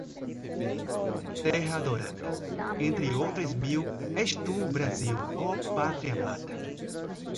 Terra adorada. Entre outras mil, és tu, Brasil, ó Pátria amada